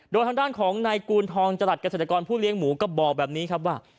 โดยทางด้านของนายกูลทองจรัสเกษตรกรผู้เลี้ยงหมูก็บอกแบบนี้ครับว่า